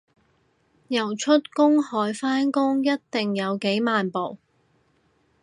游出公海返工一定有幾萬步